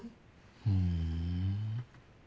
ふん。